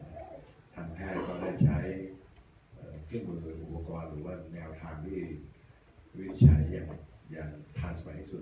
ทางแพทย์ก็ได้ใช้เครื่องมืออุปกรณ์หรือว่าแนวทางที่วินิจฉัยอย่างทันสมัยที่สุด